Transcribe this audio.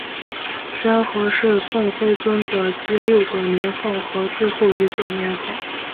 宣和是宋徽宗的第六个年号和最后一个年号。